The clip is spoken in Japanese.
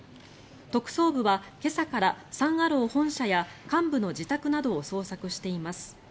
特捜部は今朝からサン・アロー本社や幹部の自宅などを捜索しています。